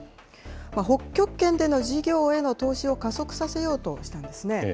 北極圏での事業への投資を加速させようとしたんですね。